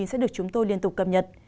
sẽ được chúng tôi liên tục cập nhật